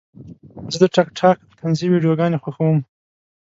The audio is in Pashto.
زه د ټک ټاک طنزي ویډیوګانې خوښوم.